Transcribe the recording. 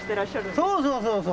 そうそうそうそう。